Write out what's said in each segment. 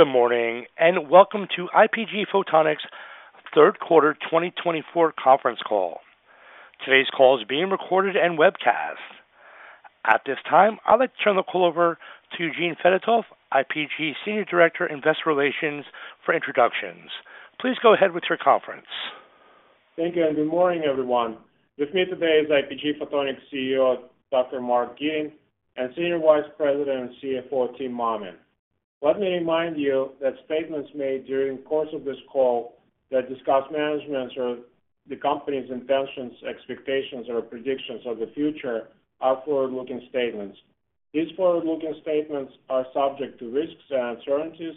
Good morning and welcome to IPG Photonics' Third Quarter 2024 Conference Call. Today's call is being recorded and webcast. At this time, I'd like to turn the call over to Eugene Fedotoff, IPG Senior Director, Investor Relations, for introductions. Please go ahead with your conference. Thank you and good morning, everyone. With me today is IPG Photonics CEO Dr. Mark Gitin and Senior Vice President and CFO Tim Mammen. Let me remind you that statements made during the course of this call that discuss management or the company's intentions, expectations, or predictions of the future are forward-looking statements. These forward-looking statements are subject to risks and uncertainties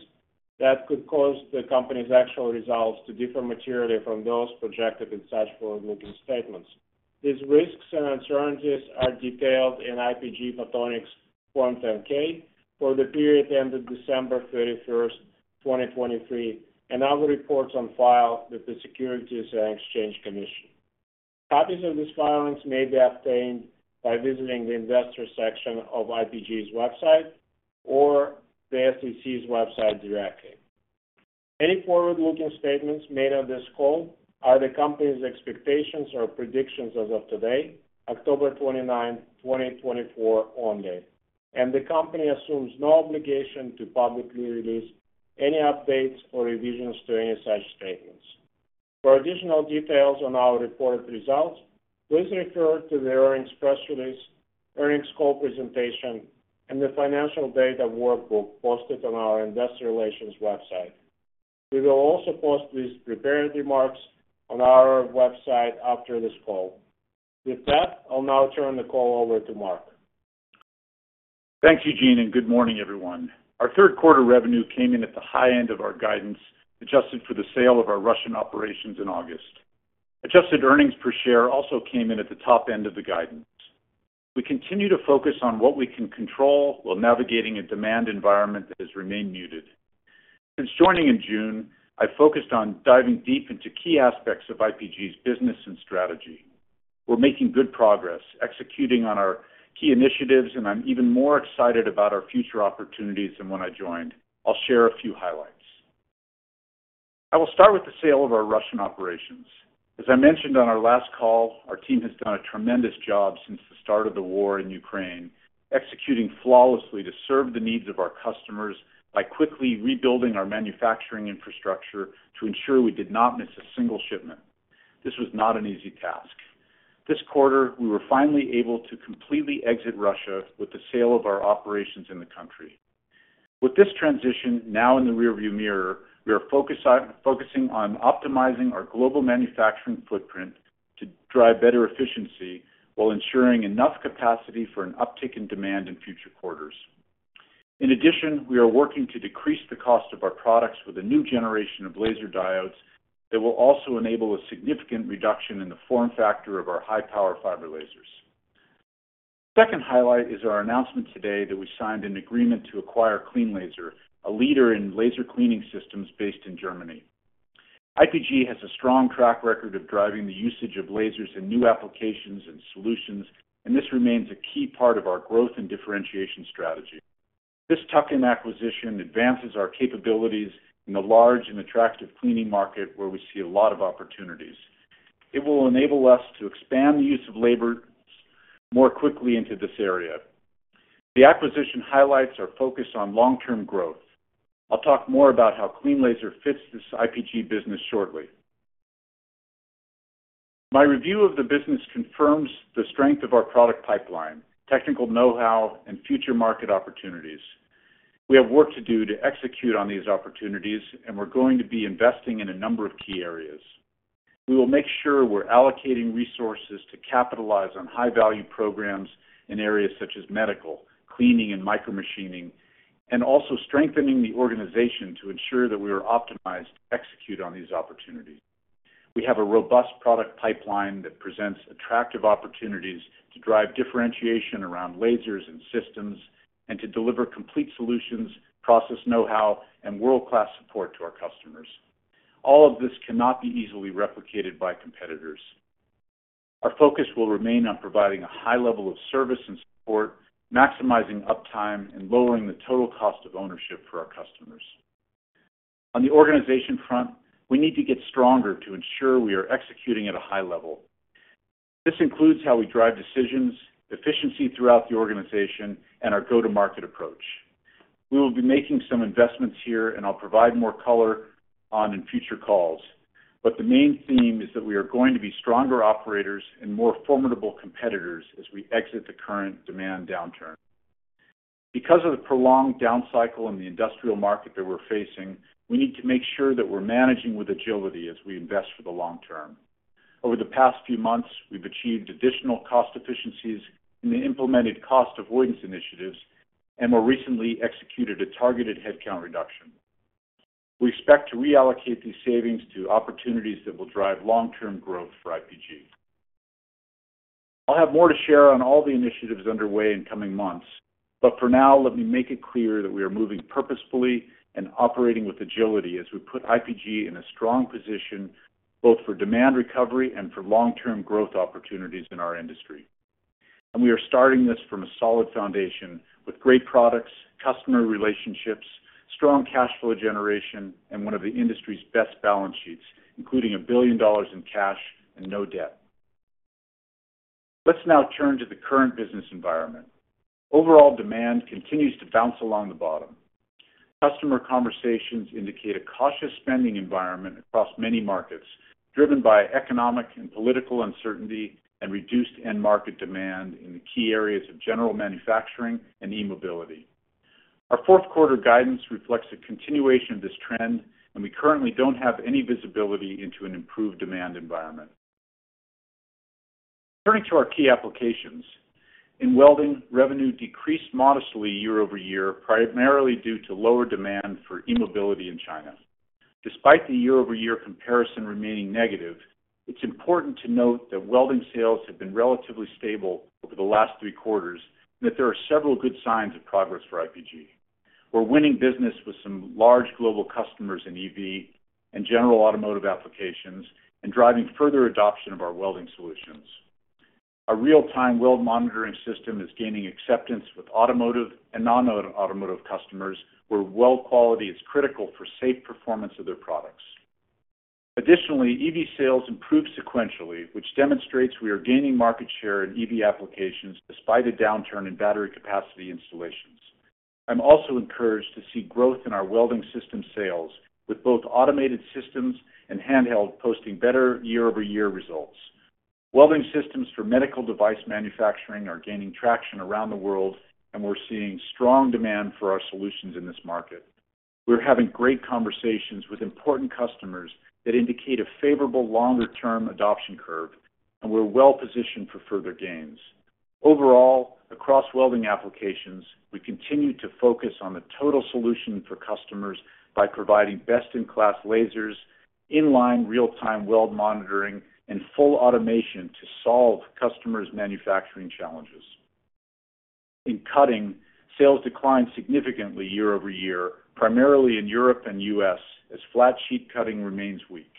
that could cause the company's actual results to differ materially from those projected in such forward-looking statements. These risks and uncertainties are detailed in IPG Photonics Form 10-K for the period ended December 31, 2023, and other reports on file with the Securities and Exchange Commission. Copies of these filings may be obtained by visiting the Investor section of IPG's website or the SEC's website directly. Any forward-looking statements made on this call are the company's expectations or predictions as of today, October 29, 2024, only, and the company assumes no obligation to publicly release any updates or revisions to any such statements. For additional details on our reported results, please refer to the earnings press release, earnings call presentation, and the financial data workbook posted on our Investor Relations website. We will also post these prepared remarks on our website after this call. With that, I'll now turn the call over to Mark. Thanks, Eugene, and good morning, everyone. Our third quarter revenue came in at the high end of our guidance adjusted for the sale of our Russian operations in August. Adjusted earnings per share also came in at the top end of the guidance. We continue to focus on what we can control while navigating a demand environment that has remained muted. Since joining in June, I've focused on diving deep into key aspects of IPG's business and strategy. We're making good progress, executing on our key initiatives, and I'm even more excited about our future opportunities than when I joined. I'll share a few highlights. I will start with the sale of our Russian operations. As I mentioned on our last call, our team has done a tremendous job since the start of the war in Ukraine, executing flawlessly to serve the needs of our customers by quickly rebuilding our manufacturing infrastructure to ensure we did not miss a single shipment. This was not an easy task. This quarter, we were finally able to completely exit Russia with the sale of our operations in the country. With this transition now in the rearview mirror, we are focusing on optimizing our global manufacturing footprint to drive better efficiency while ensuring enough capacity for an uptick in demand in future quarters. In addition, we are working to decrease the cost of our products with a new generation of laser diodes that will also enable a significant reduction in the form factor of our high-power fiber lasers. The second highlight is our announcement today that we signed an agreement to acquire CleanLaser, a leader in laser cleaning systems based in Germany. IPG has a strong track record of driving the usage of lasers in new applications and solutions, and this remains a key part of our growth and differentiation strategy. This tuck-in acquisition advances our capabilities in the large and attractive cleaning market where we see a lot of opportunities. It will enable us to expand the use of laser more quickly into this area. The acquisition highlights our focus on long-term growth. I'll talk more about how CleanLaser fits this IPG business shortly. My review of the business confirms the strength of our product pipeline, technical know-how, and future market opportunities. We have work to do to execute on these opportunities, and we're going to be investing in a number of key areas. We will make sure we're allocating resources to capitalize on high-value programs in areas such as medical, cleaning, and micromachining, and also strengthening the organization to ensure that we are optimized to execute on these opportunities. We have a robust product pipeline that presents attractive opportunities to drive differentiation around lasers and systems and to deliver complete solutions, process know-how, and world-class support to our customers. All of this cannot be easily replicated by competitors. Our focus will remain on providing a high level of service and support, maximizing uptime, and lowering the total cost of ownership for our customers. On the organization front, we need to get stronger to ensure we are executing at a high level. This includes how we drive decisions, efficiency throughout the organization, and our go-to-market approach. We will be making some investments here, and I'll provide more color on in future calls, but the main theme is that we are going to be stronger operators and more formidable competitors as we exit the current demand downturn. Because of the prolonged down cycle in the industrial market that we're facing, we need to make sure that we're managing with agility as we invest for the long term. Over the past few months, we've achieved additional cost efficiencies in the implemented cost avoidance initiatives and more recently executed a targeted headcount reduction. We expect to reallocate these savings to opportunities that will drive long-term growth for IPG. I'll have more to share on all the initiatives underway in coming months, but for now, let me make it clear that we are moving purposefully and operating with agility as we put IPG in a strong position both for demand recovery and for long-term growth opportunities in our industry, and we are starting this from a solid foundation with great products, customer relationships, strong cash flow generation, and one of the industry's best balance sheets, including $1 billion in cash and no debt. Let's now turn to the current business environment. Overall demand continues to bounce along the bottom. Customer conversations indicate a cautious spending environment across many markets, driven by economic and political uncertainty and reduced end-market demand in the key areas of general manufacturing and e-mobility. Our fourth quarter guidance reflects a continuation of this trend, and we currently don't have any visibility into an improved demand environment. Turning to our key applications. In welding, revenue decreased modestly year-over-year, primarily due to lower demand for e-mobility in China. Despite the year-over-year comparison remaining negative, it's important to note that welding sales have been relatively stable over the last three quarters and that there are several good signs of progress for IPG. We're winning business with some large global customers in EV and general automotive applications and driving further adoption of our welding solutions. Our real-time weld monitoring system is gaining acceptance with automotive and non-automotive customers where weld quality is critical for safe performance of their products. Additionally, EV sales improved sequentially, which demonstrates we are gaining market share in EV applications despite a downturn in battery capacity installations. I'm also encouraged to see growth in our welding system sales with both automated systems and handheld posting better year-over-year results. Welding systems for medical device manufacturing are gaining traction around the world, and we're seeing strong demand for our solutions in this market. We're having great conversations with important customers that indicate a favorable longer-term adoption curve, and we're well positioned for further gains. Overall, across welding applications, we continue to focus on the total solution for customers by providing best-in-class lasers, inline real-time weld monitoring, and full automation to solve customers' manufacturing challenges. In cutting, sales declined significantly year-over-year, primarily in Europe and the US, as flat sheet cutting remains weak.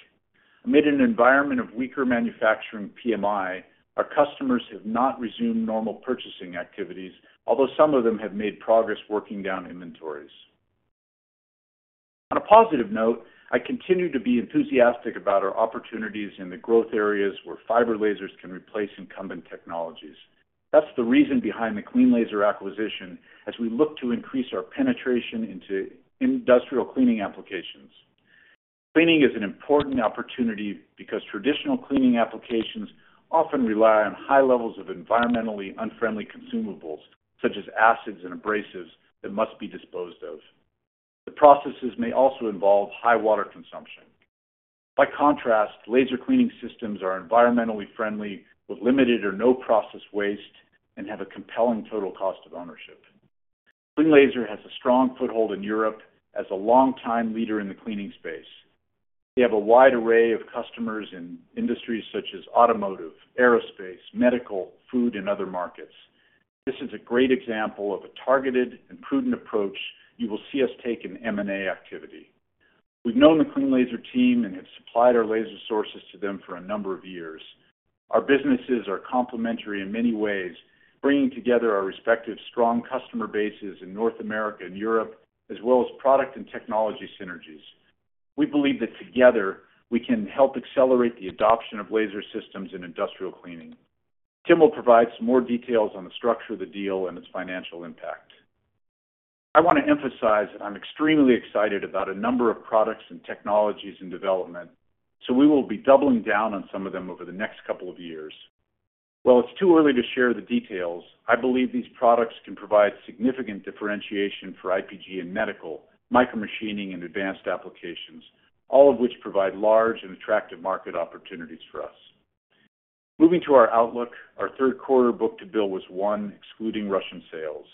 Amid an environment of weaker manufacturing PMI, our customers have not resumed normal purchasing activities, although some of them have made progress working down inventories. On a positive note, I continue to be enthusiastic about our opportunities in the growth areas where fiber lasers can replace incumbent technologies. That's the reason behind the CleanLaser acquisition as we look to increase our penetration into industrial cleaning applications. Cleaning is an important opportunity because traditional cleaning applications often rely on high levels of environmentally unfriendly consumables such as acids and abrasives that must be disposed of. The processes may also involve high water consumption. By contrast, laser cleaning systems are environmentally friendly with limited or no process waste and have a compelling total cost of ownership. CleanLaser has a strong foothold in Europe as a long-time leader in the cleaning space. They have a wide array of customers in industries such as automotive, aerospace, medical, food, and other markets. This is a great example of a targeted and prudent approach you will see us take in M&A activity. We've known the CleanLaser team and have supplied our laser sources to them for a number of years. Our businesses are complementary in many ways, bringing together our respective strong customer bases in North America and Europe, as well as product and technology synergies. We believe that together, we can help accelerate the adoption of laser systems in industrial cleaning. Tim will provide some more details on the structure of the deal and its financial impact. I want to emphasize that I'm extremely excited about a number of products and technologies in development, so we will be doubling down on some of them over the next couple of years. While it's too early to share the details, I believe these products can provide significant differentiation for IPG in medical, micro-machining, and advanced applications, all of which provide large and attractive market opportunities for us. Moving to our outlook, our third quarter book-to-bill was one, excluding Russian sales.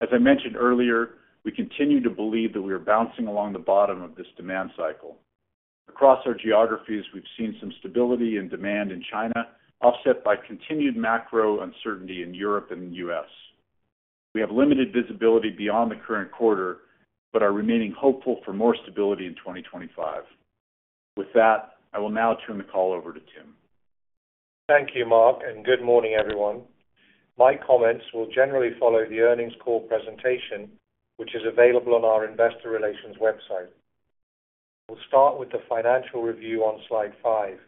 As I mentioned earlier, we continue to believe that we are bouncing along the bottom of this demand cycle. Across our geographies, we've seen some stability in demand in China, offset by continued macro uncertainty in Europe and the US. We have limited visibility beyond the current quarter, but are remaining hopeful for more stability in 2025. With that, I will now turn the call over to Tim. Thank you, Mark, and good morning, everyone. My comments will generally follow the earnings call presentation, which is available on our Investor Relations website. We'll start with the financial review on slide five.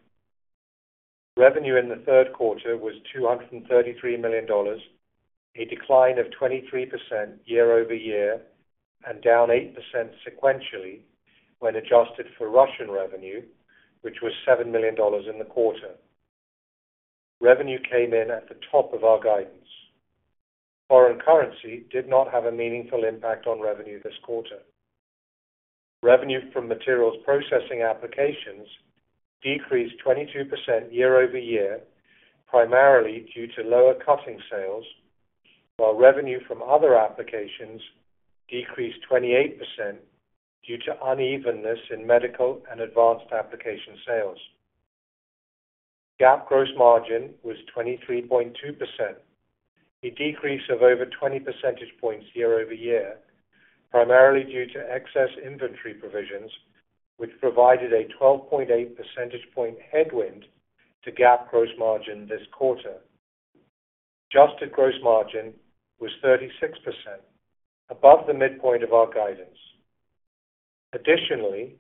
Revenue in the third quarter was $233 million, a decline of 23% year-over-year and down 8% sequentially when adjusted for Russian revenue, which was $7 million in the quarter. Revenue came in at the top of our guidance. Foreign currency did not have a meaningful impact on revenue this quarter. Revenue from materials processing applications decreased 22% year-over-year, primarily due to lower cutting sales, while revenue from other applications decreased 28% due to unevenness in medical and advanced application sales. GAAP gross margin was 23.2%, a decrease of over 20 percentage points year-over-year, primarily due to excess inventory provisions, which provided a 12.8 percentage point headwind to GAAP gross margin this quarter. Adjusted gross margin was 36%, above the midpoint of our guidance. Additionally,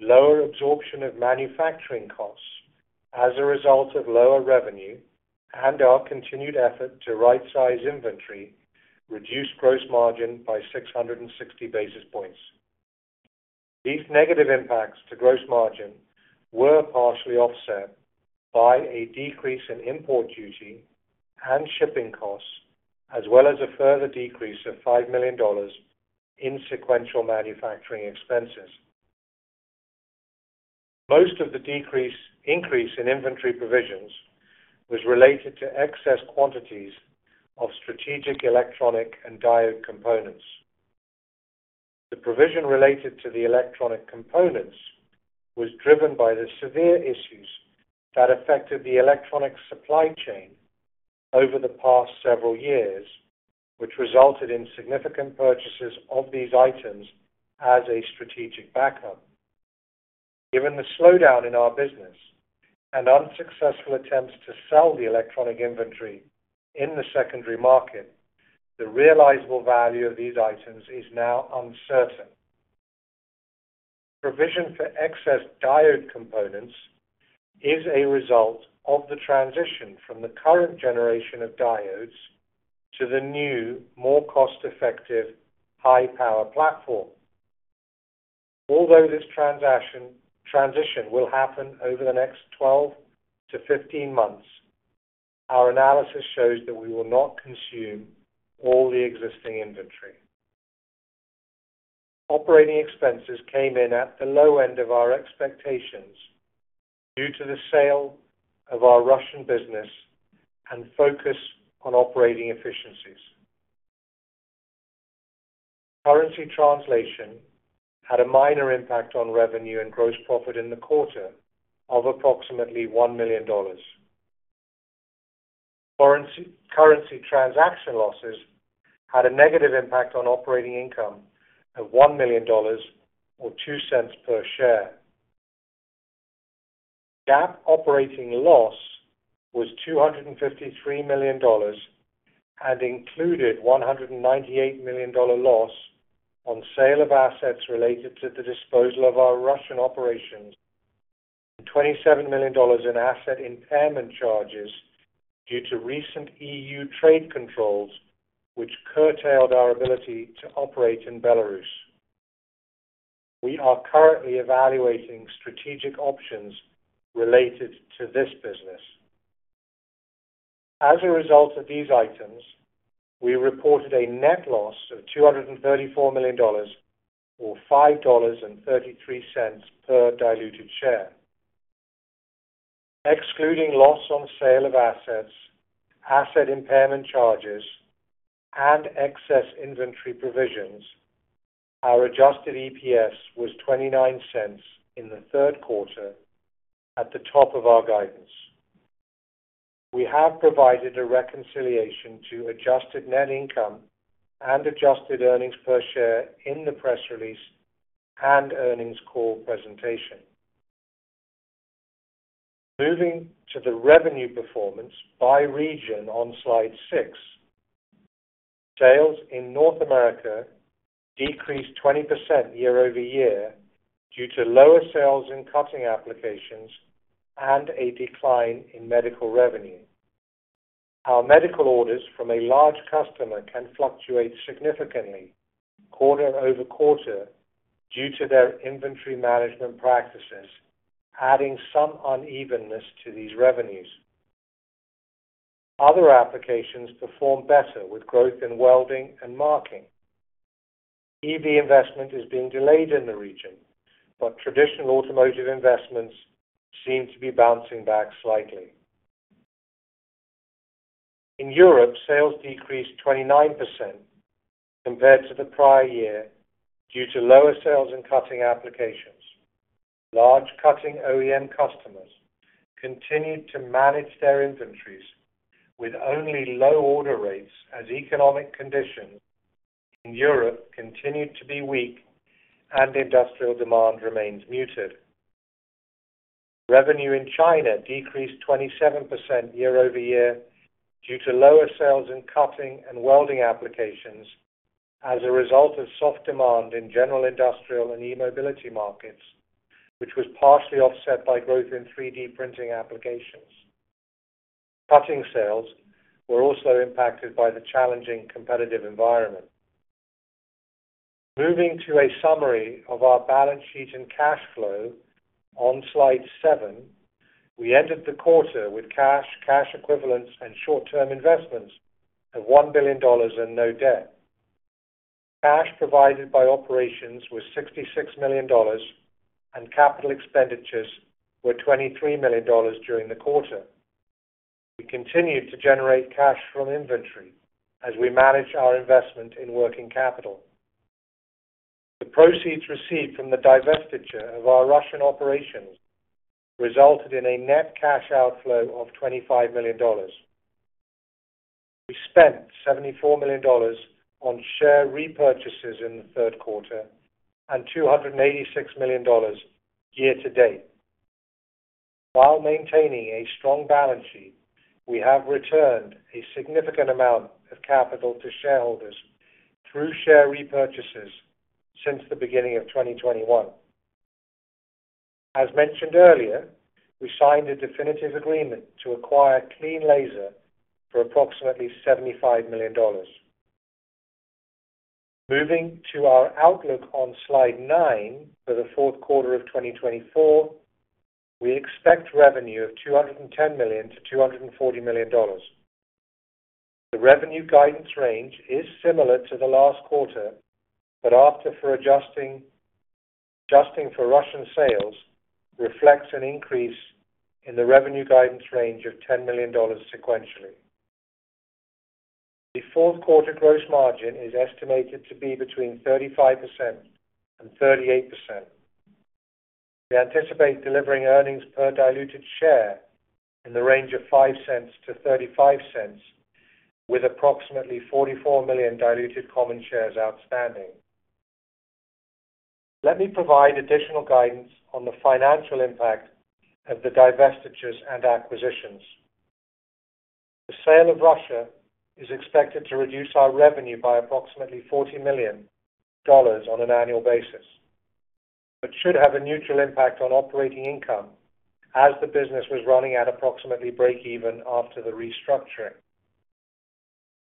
lower absorption of manufacturing costs as a result of lower revenue and our continued effort to right-size inventory reduced gross margin by 660 basis points. These negative impacts to gross margin were partially offset by a decrease in import duty and shipping costs, as well as a further decrease of $5 million in sequential manufacturing expenses. Most of the decrease in inventory provisions was related to excess quantities of strategic electronic and diode components. The provision related to the electronic components was driven by the severe issues that affected the electronic supply chain over the past several years, which resulted in significant purchases of these items as a strategic backup. Given the slowdown in our business and unsuccessful attempts to sell the electronic inventory in the secondary market, the realizable value of these items is now uncertain. Provision for excess diode components is a result of the transition from the current generation of diodes to the new, more cost-effective, high-power platform. Although this transition will happen over the next 12 to 15 months, our analysis shows that we will not consume all the existing inventory. Operating expenses came in at the low end of our expectations due to the sale of our Russian business and focus on operating efficiencies. Currency translation had a minor impact on revenue and gross profit in the quarter of approximately $1 million. Currency transaction losses had a negative impact on operating income of $1 million or $0.02 per share. GAAP operating loss was $253 million and included $198 million loss on sale of assets related to the disposal of our Russian operations and $27 million in asset impairment charges due to recent E.U. trade controls, which curtailed our ability to operate in Belarus. We are currently evaluating strategic options related to this business. As a result of these items, we reported a net loss of $234 million or $5.33 per diluted share. Excluding loss on sale of assets, asset impairment charges, and excess inventory provisions, our adjusted EPS was $0.29 in the third quarter at the top of our guidance. We have provided a reconciliation to adjusted net income and adjusted earnings per share in the press release and earnings call presentation. Moving to the revenue performance by region on slide six. Sales in North America decreased 20% year-over-year due to lower sales in cutting applications and a decline in medical revenue. Our medical orders from a large customer can fluctuate significantly quarter over quarter due to their inventory management practices, adding some unevenness to these revenues. Other applications perform better with growth in welding and marking. EV investment is being delayed in the region, but traditional automotive investments seem to be bouncing back slightly. In Europe, sales decreased 29% compared to the prior year due to lower sales in cutting applications. Large cutting OEM customers continued to manage their inventories with only low order rates as economic conditions in Europe continued to be weak and industrial demand remains muted. Revenue in China decreased 27% year-over-year due to lower sales in cutting and welding applications as a result of soft demand in general industrial and e-mobility markets, which was partially offset by growth in 3D printing applications. Cutting sales were also impacted by the challenging competitive environment. Moving to a summary of our balance sheet and cash flow on slide seven, we ended the quarter with cash, cash equivalents, and short-term investments of $1 billion and no debt. Cash provided by operations was $66 million, and capital expenditures were $23 million during the quarter. We continued to generate cash from inventory as we manage our investment in working capital. The proceeds received from the divestiture of our Russian operations resulted in a net cash outflow of $25 million. We spent $74 million on share repurchases in the third quarter and $286 million year to date. While maintaining a strong balance sheet, we have returned a significant amount of capital to shareholders through share repurchases since the beginning of 2021. As mentioned earlier, we signed a definitive agreement to acquire CleanLaser for approximately $75 million. Moving to our outlook on slide nine for the fourth quarter of 2024, we expect revenue of $210 million-$240 million. The revenue guidance range is similar to the last quarter, but after adjusting for Russian sales, reflects an increase in the revenue guidance range of $10 million sequentially. The fourth quarter gross margin is estimated to be between 35% and 38%. We anticipate delivering earnings per diluted share in the range of $0.05-$0.35, with approximately 44 million diluted common shares outstanding. Let me provide additional guidance on the financial impact of the divestitures and acquisitions. The sale of Russia is expected to reduce our revenue by approximately $40 million on an annual basis, but should have a neutral impact on operating income as the business was running at approximately break-even after the restructuring.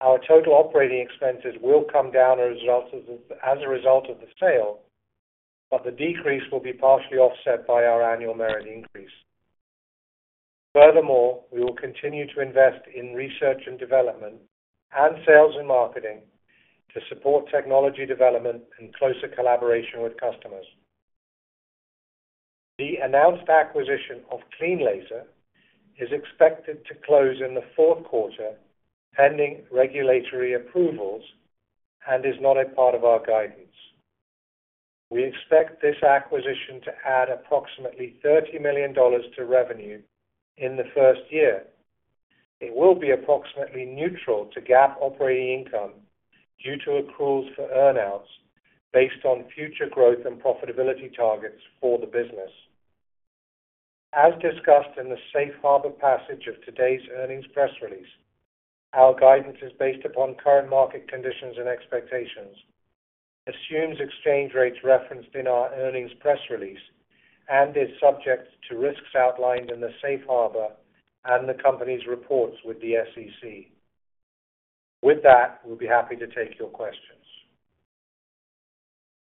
Our total operating expenses will come down as a result of the sale, but the decrease will be partially offset by our annual merit increase. Furthermore, we will continue to invest in research and development and sales and marketing to support technology development and closer collaboration with customers. The announced acquisition of CleanLaser is expected to close in the fourth quarter, pending regulatory approvals, and is not a part of our guidance. We expect this acquisition to add approximately $30 million to revenue in the first year. It will be approximately neutral to GAAP operating income due to accruals for earnouts based on future growth and profitability targets for the business. As discussed in the Safe Harbor passage of today's earnings press release, our guidance is based upon current market conditions and expectations, assumes exchange rates referenced in our earnings press release, and is subject to risks outlined in the Safe Harbor and the company's reports with the SEC. With that, we'll be happy to take your questions.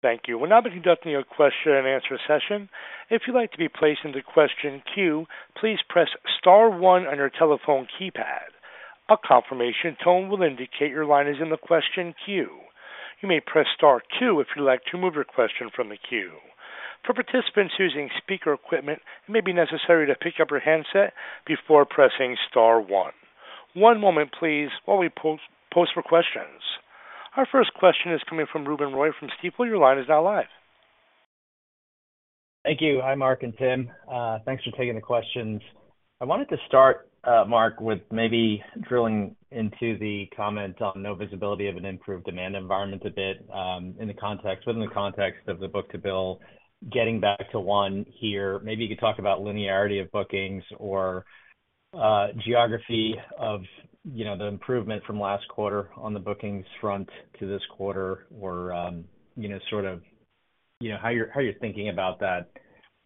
Thank you. We're now beginning to open your question and answer session. If you'd like to be placed into question queue, please press star one on your telephone keypad. A confirmation tone will indicate your line is in the question queue. You may press star two if you'd like to remove your question from the queue. For participants using speaker equipment, it may be necessary to pick up your handset before pressing star one. One moment, please, while we post our questions. Our first question is coming from Ruben Roy from Stifel. Your line is now live. Thank you. Hi, Mark and Tim. Thanks for taking the questions. I wanted to start, Mark, with maybe drilling into the comment on no visibility of an improved demand environment a bit in the context of the book-to-bill. Getting back to one here, maybe you could talk about linearity of bookings or geography of the improvement from last quarter on the bookings front to this quarter or sort of how you're thinking about that,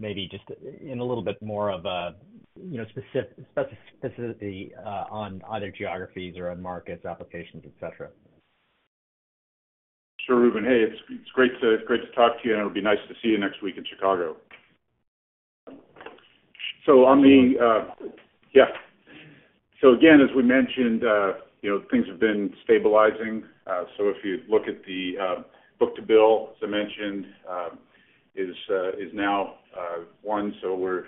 maybe just in a little bit more of a specificity on other geographies or on markets, applications, etc. Sure, Ruben. Hey, it's great to talk to you, and it would be nice to see you next week in Chicago. So on the. Thanks. Yeah. So again, as we mentioned, things have been stabilizing. So if you look at the book-to-bill, as I mentioned, is now one, so we're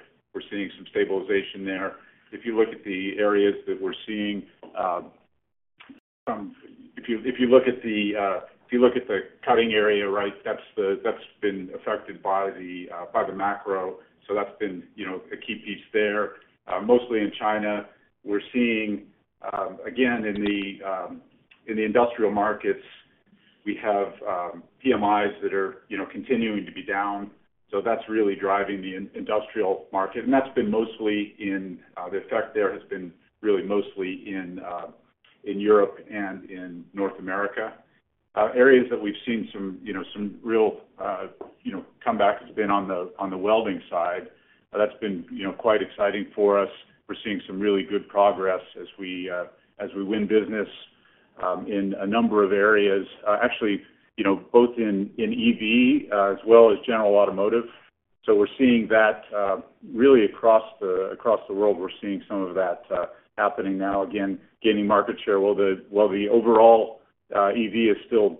seeing some stabilization there. If you look at the areas that we're seeing, if you look at the cutting area, right, that's been affected by the macro. So that's been a key piece there. Mostly in China, we're seeing, again, in the industrial markets, we have PMIs that are continuing to be down. So that's really driving the industrial market. And that's been mostly in the effect there has been really mostly in Europe and in North America. Areas that we've seen some real comeback has been on the welding side. That's been quite exciting for us. We're seeing some really good progress as we win business in a number of areas, actually both in EV as well as general automotive, so we're seeing that really across the world. We're seeing some of that happening now, again, gaining market share. While the overall EV is still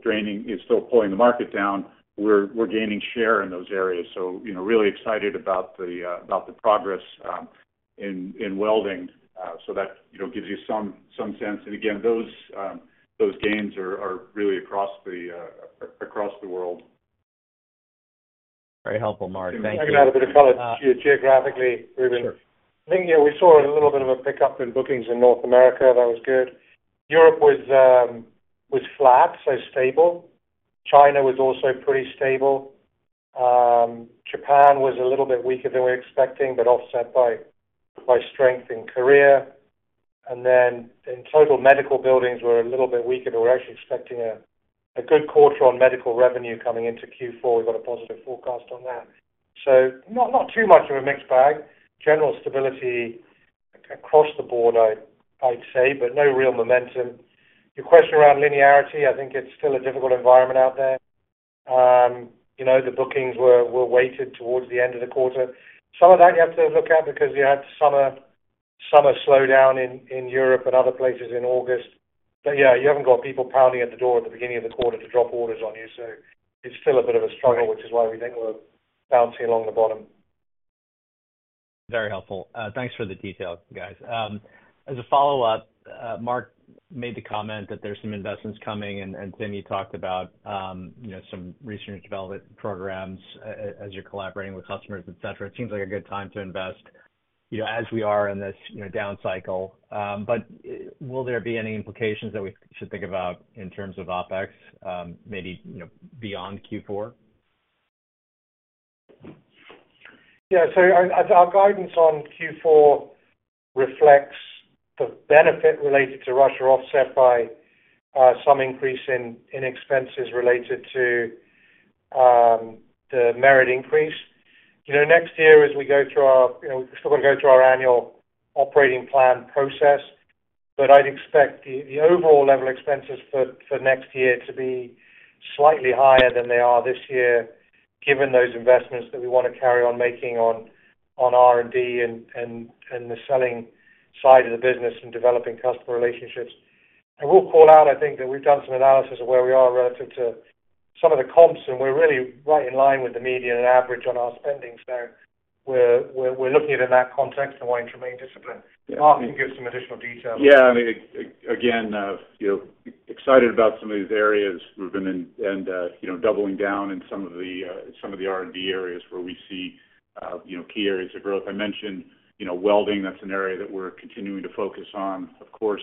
pulling the market down, we're gaining share in those areas, so really excited about the progress in welding, so that gives you some sense, and again, those gains are really across the world. Very helpful, Mark. Thank you. I'm going to add a bit of color. Geographically, Ruben. Sure. I think, yeah, we saw a little bit of a pickup in bookings in North America. That was good. Europe was flat, so stable. China was also pretty stable. Japan was a little bit weaker than we were expecting, but offset by strength in Korea. And then in total, medical billings were a little bit weaker, but we're actually expecting a good quarter on medical revenue coming into Q4. We've got a positive forecast on that. So not too much of a mixed bag. General stability across the board, I'd say, but no real momentum. Your question around linearity, I think it's still a difficult environment out there. The bookings were weighted towards the end of the quarter. Some of that you have to look at because you had summer slowdown in Europe and other places in August. But yeah, you haven't got people pounding at the door at the beginning of the quarter to drop orders on you. So it's still a bit of a struggle, which is why we think we're bouncing along the bottom. Very helpful. Thanks for the detail, guys. As a follow-up, Mark made the comment that there's some investments coming, and Tim, you talked about some research and development programs as you're collaborating with customers, etc. It seems like a good time to invest as we are in this down cycle. But will there be any implications that we should think about in terms of OpEx, maybe beyond Q4? Yeah. So our guidance on Q4 reflects the benefit related to Russia offset by some increase in expenses related to the merit increase. Next year, we've still got to go through our annual operating plan process, but I'd expect the overall level of expenses for next year to be slightly higher than they are this year, given those investments that we want to carry on making on R&D and the selling side of the business and developing customer relationships. And we'll call out, I think, that we've done some analysis of where we are relative to some of the comps, and we're really right in line with the median and average on our spending. So we're looking at it in that context and wanting to remain disciplined. Mark can give some additional details. Yeah. I mean, again, excited about some of these areas. We've been doubling down in some of the R&D areas where we see key areas of growth. I mentioned welding. That's an area that we're continuing to focus on. Of course,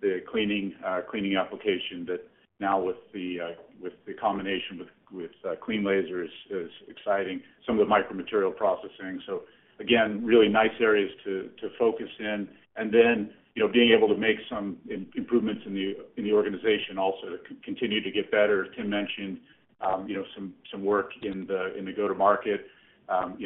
the cleaning application that now, with the combination with CleanLaser, is exciting. Some of the micromaterial processing. So again, really nice areas to focus in. And then being able to make some improvements in the organization also to continue to get better. Tim mentioned some work in the go-to-market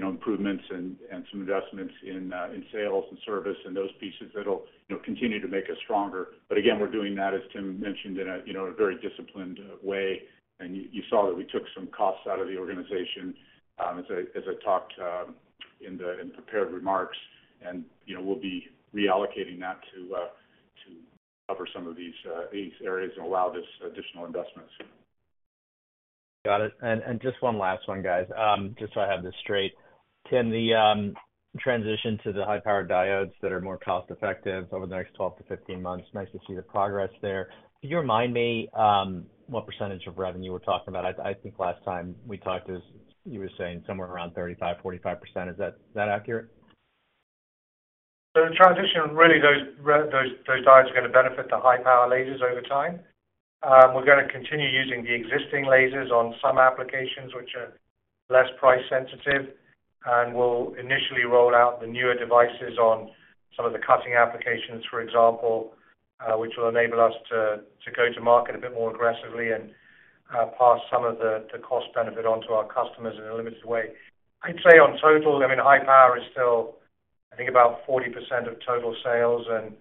improvements and some investments in sales and service and those pieces that'll continue to make us stronger. But again, we're doing that, as Tim mentioned, in a very disciplined way. You saw that we took some costs out of the organization, as I talked in the prepared remarks, and we'll be reallocating that to cover some of these areas and allow this additional investments. Got it. And just one last one, guys, just so I have this straight. Tim, the transition to the high-powered diodes that are more cost-effective over the next 12 to 15 months. Nice to see the progress there. Could you remind me what percentage of revenue we're talking about? I think last time we talked, you were saying somewhere around 35%-45%. Is that accurate? So the transition really, those diodes are going to benefit the high-powered lasers over time. We're going to continue using the existing lasers on some applications, which are less price-sensitive. And we'll initially roll out the newer devices on some of the cutting applications, for example, which will enable us to go to market a bit more aggressively and pass some of the cost benefit onto our customers in a limited way. I'd say on total, I mean, high power is still, I think, about 40% of total sales and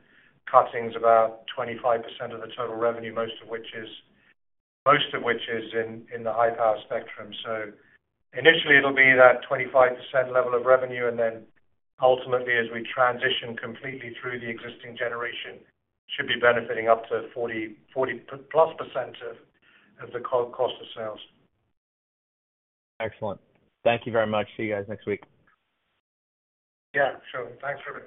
cutting's about 25% of the total revenue, most of which is in the high-powered spectrum. So initially, it'll be that 25% level of revenue, and then ultimately, as we transition completely through the existing generation, should be benefiting up to 40+% of the cost of sales. Excellent. Thank you very much. See you guys next week. Yeah. Sure. Thanks, Ruben.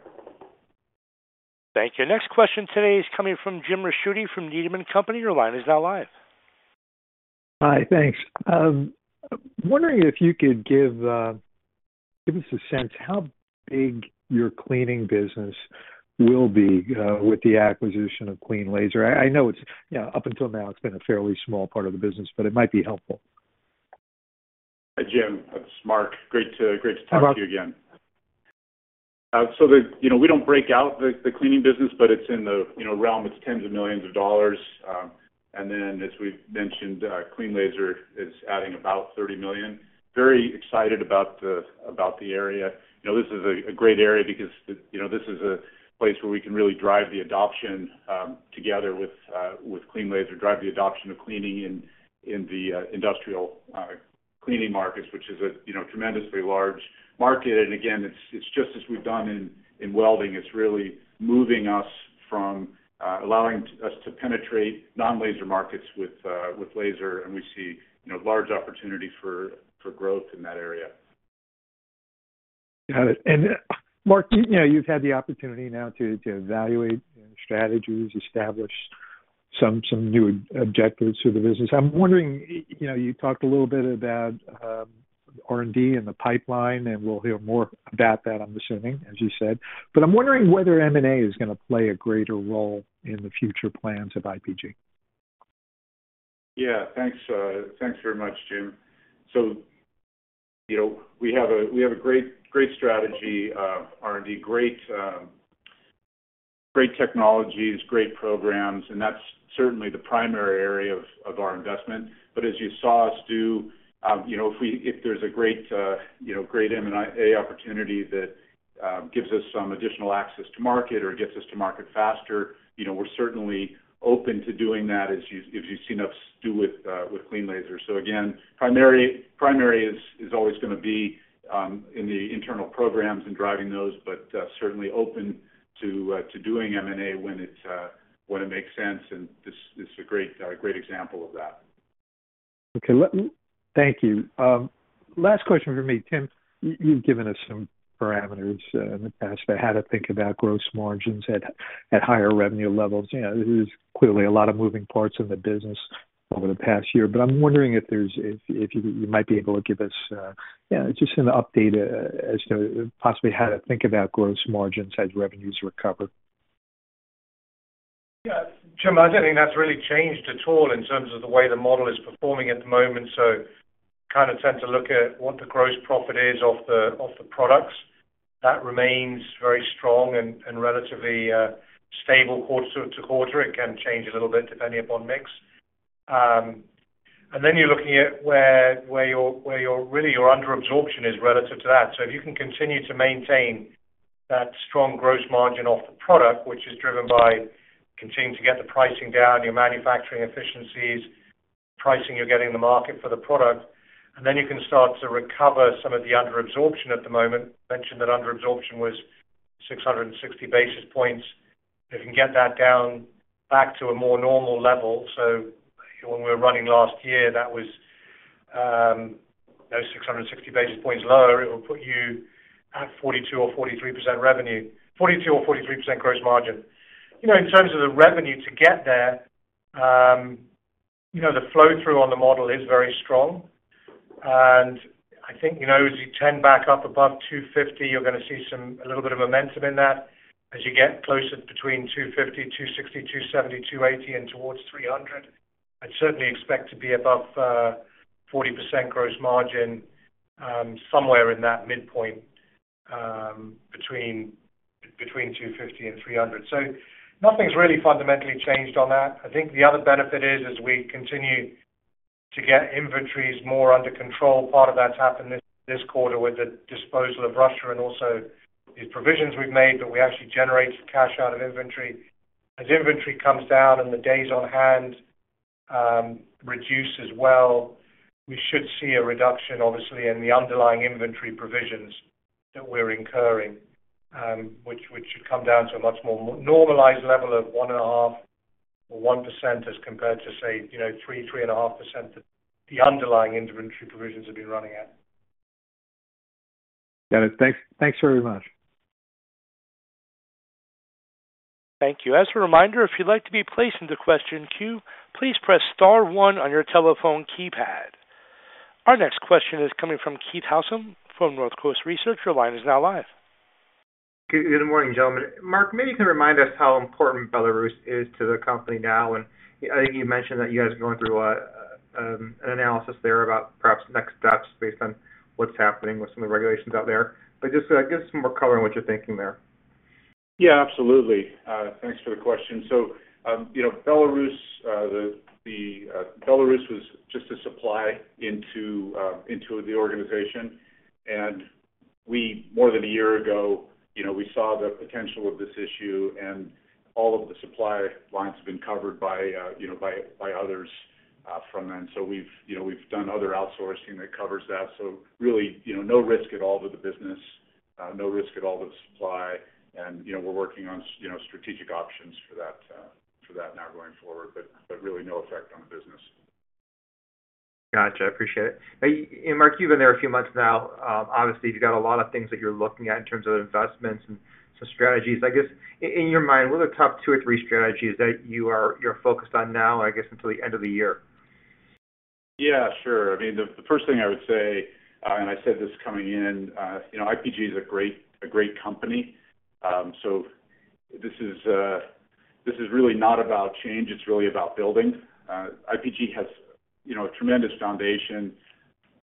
Thank you. Next question today is coming from Jim Ricchiuti from Needham & Company. Your line is now live. Hi. Thanks. Wondering if you could give us a sense how big your cleaning business will be with the acquisition of CleanLaser. I know up until now, it's been a fairly small part of the business, but it might be helpful. Hi, Jim. That's Mark. Great to talk to you again. We don't break out the cleaning business, but it's in the realm. It's tens of millions of dollars. And then, as we've mentioned, CleanLaser is adding about $30 million. Very excited about the area. This is a great area because this is a place where we can really drive the adoption together with CleanLaser, drive the adoption of cleaning in the industrial cleaning markets, which is a tremendously large market. And again, it's just as we've done in welding. It's really moving us from allowing us to penetrate non-laser markets with laser, and we see large opportunity for growth in that area. Got it. And Mark, you've had the opportunity now to evaluate strategies, establish some new objectives for the business. I'm wondering, you talked a little bit about R&D and the pipeline, and we'll hear more about that, I'm assuming, as you said. But I'm wondering whether M&A is going to play a greater role in the future plans of IPG. Yeah. Thanks very much, Jim. So we have a great strategy of R&D, great technologies, great programs, and that's certainly the primary area of our investment. But as you saw us do, if there's a great M&A opportunity that gives us some additional access to market or gets us to market faster, we're certainly open to doing that as you see us do with CleanLaser. So again, primary is always going to be in the internal programs and driving those, but certainly open to doing M&A when it makes sense, and this is a great example of that. Okay. Thank you. Last question for me, Tim. You've given us some parameters in the past about how to think about gross margins at higher revenue levels. There's clearly a lot of moving parts in the business over the past year. But I'm wondering if you might be able to give us just an update as to possibly how to think about gross margins as revenues recover. Yeah. Jim. I don't think that's really changed at all in terms of the way the model is performing at the moment. So kind of tend to look at what the gross profit is off the products. That remains very strong and relatively stable quarter to quarter. It can change a little bit depending upon mix. And then you're looking at where really your under-absorption is relative to that. So if you can continue to maintain that strong gross margin off the product, which is driven by continuing to get the pricing down, your manufacturing efficiencies, pricing you're getting in the market for the product, and then you can start to recover some of the under-absorption at the moment. Mentioned that under-absorption was 660 basis points. If you can get that down back to a more normal level, so when we were running last year, that was 660 basis points lower, it will put you at 42% or 43% revenue, 42% or 43% gross margin. In terms of the revenue to get there, the flow-through on the model is very strong, and I think as you tend back up above 250, you're going to see a little bit of momentum in that as you get closer between 250, 260, 270, 280, and towards 300. I'd certainly expect to be above 40% gross margin somewhere in that midpoint between 250 and 300, so nothing's really fundamentally changed on that. I think the other benefit is, as we continue to get inventories more under control, part of that's happened this quarter with the disposal of Russia and also these provisions we've made, but we actually generate cash out of inventory. As inventory comes down and the days on hand reduce as well, we should see a reduction, obviously, in the underlying inventory provisions that we're incurring, which should come down to a much more normalized level of 1.5% or 1% as compared to, say, 3%-3.5% that the underlying inventory provisions have been running at. Got it. Thanks very much. Thank you. As a reminder, if you'd like to be placed into question queue, please press star one on your telephone keypad. Our next question is coming from Keith Housum from North Coast Research. Your line is now live. Good morning, gentlemen. Mark, maybe you can remind us how important Belarus is to the company now. And I think you mentioned that you guys are going through an analysis there about perhaps next steps based on what's happening with some of the regulations out there. But just give us some more color on what you're thinking there. Yeah. Absolutely. Thanks for the question. So Belarus was just a supply into the organization. And more than a year ago, we saw the potential of this issue, and all of the supply lines have been covered by others from then. So we've done other outsourcing that covers that. So really no risk at all to the business, no risk at all to the supply. And we're working on strategic options for that now going forward, but really no effect on the business. Gotcha. I appreciate it. And Mark, you've been there a few months now. Obviously, you've got a lot of things that you're looking at in terms of investments and some strategies. I guess, in your mind, what are the top two or three strategies that you're focused on now, I guess, until the end of the year? Yeah. Sure. I mean, the first thing I would say, and I said this coming in, IPG is a great company. So this is really not about change. It's really about building. IPG has a tremendous foundation,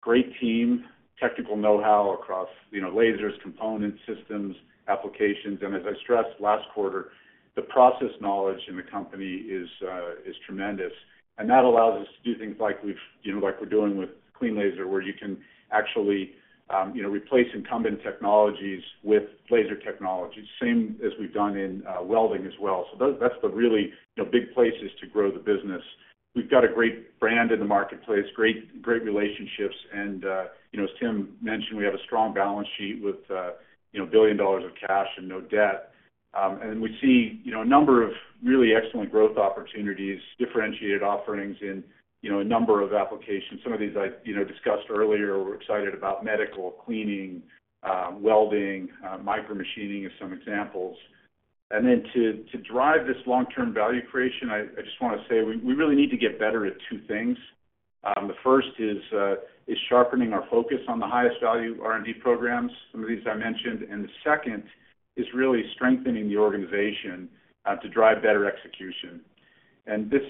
great team, technical know-how across lasers, components, systems, applications. And as I stressed last quarter, the process knowledge in the company is tremendous. And that allows us to do things like we're doing with CleanLaser, where you can actually replace incumbent technologies with laser technologies, same as we've done in welding as well. So that's the really big places to grow the business. We've got a great brand in the marketplace, great relationships. And as Tim mentioned, we have a strong balance sheet with $1 billion of cash and no debt. And we see a number of really excellent growth opportunities, differentiated offerings in a number of applications. Some of these I discussed earlier. We're excited about medical, cleaning, welding, micromachining as some examples. And then to drive this long-term value creation, I just want to say we really need to get better at two things. The first is sharpening our focus on the highest value R&D programs, some of these I mentioned. And the second is really strengthening the organization to drive better execution. And this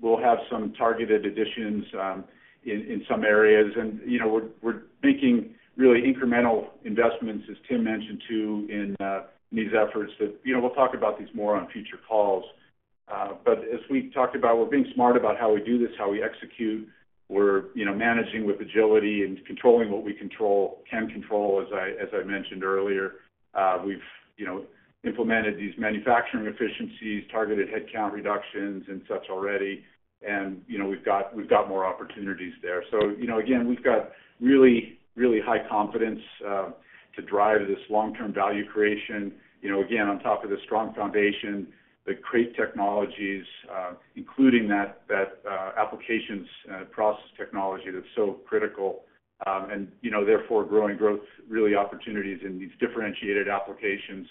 will have some targeted additions in some areas. And we're making really incremental investments, as Tim mentioned, too, in these efforts. We'll talk about these more on future calls. But as we talked about, we're being smart about how we do this, how we execute. We're managing with agility and controlling what we can control, as I mentioned earlier. We've implemented these manufacturing efficiencies, targeted headcount reductions and such already. And we've got more opportunities there. So again, we've got really, really high confidence to drive this long-term value creation. Again, on top of the strong foundation, the great technologies, including that applications process technology that's so critical, and therefore growing growth, really opportunities in these differentiated applications.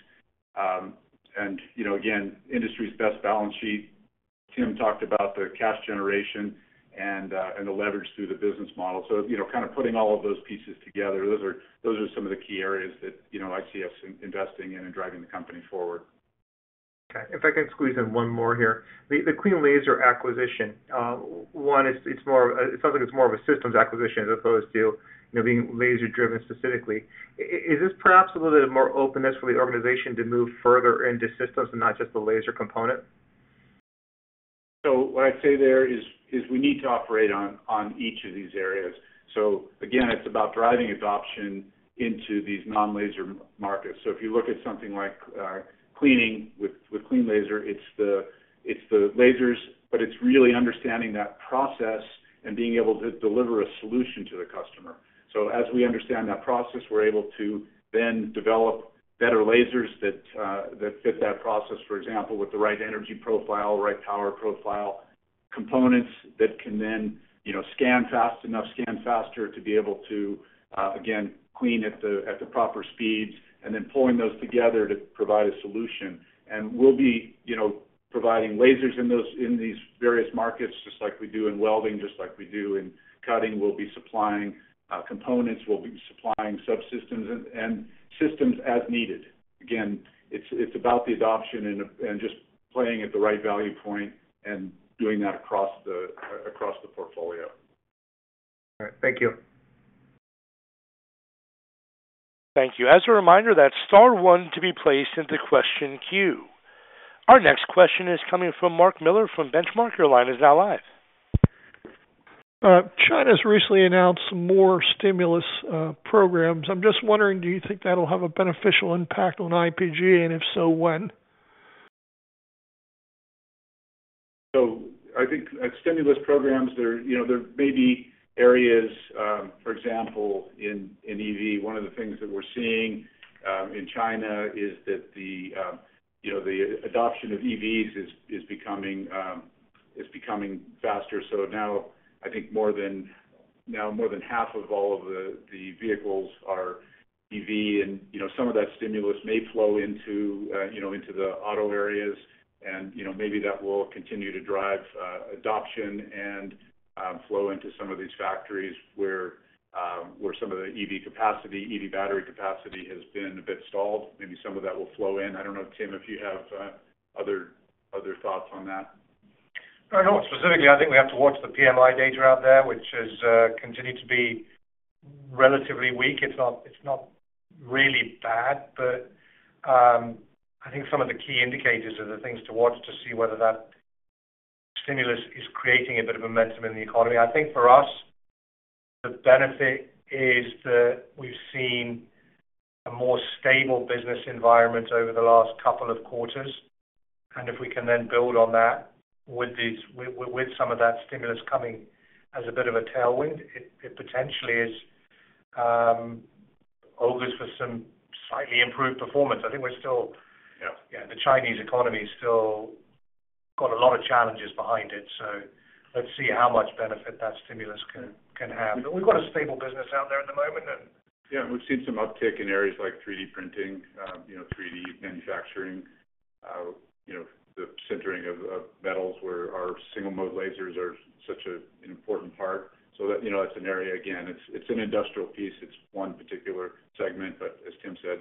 And again, industry's best balance sheet. Tim talked about the cash generation and the leverage through the business model. So kind of putting all of those pieces together, those are some of the key areas that I see us investing in and driving the company forward. Okay. If I can squeeze in one more here. The CleanLaser acquisition, one, it sounds like it's more of a systems acquisition as opposed to being laser-driven specifically. Is this perhaps a little bit more openness for the organization to move further into systems and not just the laser component? So what I'd say there is we need to operate on each of these areas. So again, it's about driving adoption into these non-laser markets. So if you look at something like cleaning with CleanLaser, it's the lasers, but it's really understanding that process and being able to deliver a solution to the customer. So as we understand that process, we're able to then develop better lasers that fit that process, for example, with the right energy profile, right power profile, components that can then scan fast enough, scan faster to be able to, again, clean at the proper speeds, and then pulling those together to provide a solution. And we'll be providing lasers in these various markets, just like we do in welding, just like we do in cutting. We'll be supplying components. We'll be supplying subsystems and systems as needed. Again, it's about the adoption and just playing at the right value point and doing that across the portfolio. All right. Thank you. Thank you. As a reminder, that's star one to be placed into question queue. Our next question is coming from Mark Miller from Benchmark. Your line is now live. China's recently announced some more stimulus programs. I'm just wondering, do you think that'll have a beneficial impact on IPG, and if so, when? So, I think stimulus programs, there may be areas, for example, in EV. One of the things that we're seeing in China is that the adoption of EVs is becoming faster. So now I think more than half of all of the vehicles are EV. And some of that stimulus may flow into the auto areas, and maybe that will continue to drive adoption and flow into some of these factories where some of the EV capacity, EV battery capacity has been a bit stalled. Maybe some of that will flow in. I don't know, Tim, if you have other thoughts on that. I don't know specifically. I think we have to watch the PMI data out there, which has continued to be relatively weak. It's not really bad, but I think some of the key indicators are the things to watch to see whether that stimulus is creating a bit of momentum in the economy. I think for us, the benefit is that we've seen a more stable business environment over the last couple of quarters, and if we can then build on that with some of that stimulus coming as a bit of a tailwind, it potentially is hopeful for some slightly improved performance. I think we're still, yeah, the Chinese economy has still got a lot of challenges behind it, so let's see how much benefit that stimulus can have, but we've got a stable business out there at the moment. Yeah. We've seen some uptake in areas like 3D printing, 3D manufacturing, the sintering of metals where our single-mode lasers are such an important part. So that's an area, again, it's an industrial piece. It's one particular segment, but as Tim said,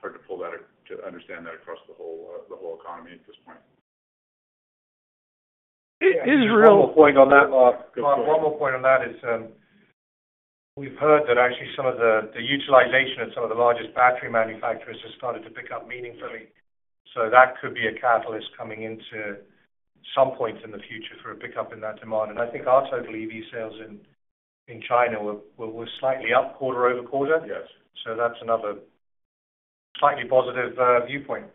hard to understand that across the whole economy at this point. Israel. One more point on that is we've heard that actually some of the utilization of some of the largest battery manufacturers has started to pick up meaningfully, so that could be a catalyst coming into some point in the future for a pickup in that demand, and I think our total EV sales in China were slightly up quarter over quarter, so that's another slightly positive viewpoint.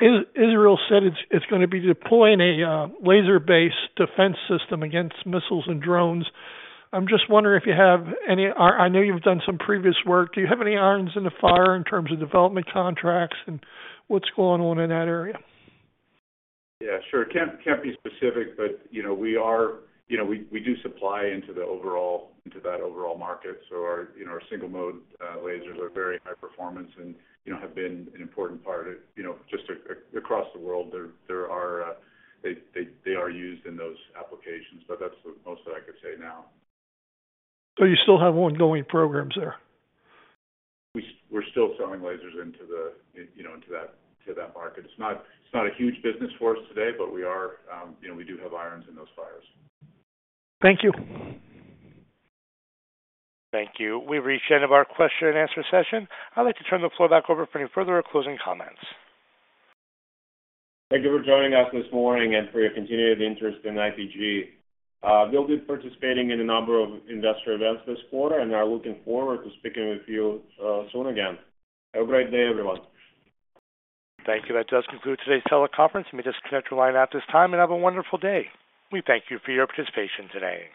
Yeah. Israel said it's going to be deploying a laser-based defense system against missiles and drones. I'm just wondering if you have any. I know you've done some previous work. Do you have any irons in the fire in terms of development contracts and what's going on in that area? Yeah. Sure. Can't be specific, but we do supply into that overall market. So our single-mode lasers are very high performance and have been an important part of just across the world. They are used in those applications, but that's mostly what I could say now. So you still have ongoing programs there? We're still selling lasers into that market. It's not a huge business for us today, but we do have irons in those fires. Thank you. Thank you. We've reached the end of our question and answer session. I'd like to turn the floor back over for any further closing comments. Thank you for joining us this morning and for your continued interest in IPG. We'll be participating in a number of investor events this quarter and are looking forward to speaking with you soon again. Have a great day, everyone. Thank you. That does conclude today's teleconference. Let me just disconnect your line at this time and have a wonderful day. We thank you for your participation today.